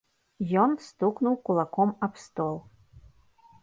Ён стукнуў кулаком аб стол.